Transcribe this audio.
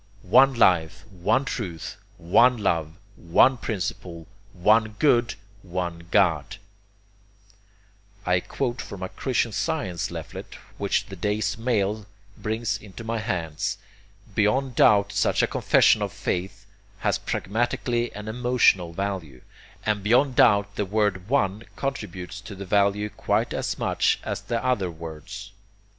"One Life, One Truth, one Love, one Principle, One Good, One God" I quote from a Christian Science leaflet which the day's mail brings into my hands beyond doubt such a confession of faith has pragmatically an emotional value, and beyond doubt the word 'one' contributes to the value quite as much as the other words.